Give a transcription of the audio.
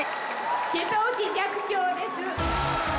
瀬戸内寂聴です。